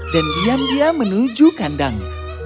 dan diam diam menuju kandang